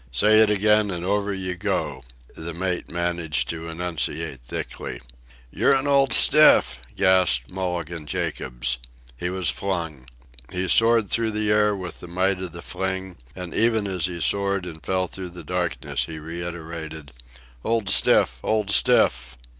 "Say it again and over you go," the mate managed to enunciate thickly. "You're an old stiff," gasped Mulligan Jacobs. He was flung. He soared through the air with the might of the fling, and even as he soared and fell through the darkness he reiterated: "Old stiff! Old stiff!"